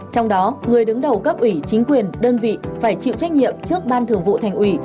trong đó người đứng đầu cấp ủy chính quyền đơn vị phải chịu trách nhiệm trước ban thường vụ thành ủy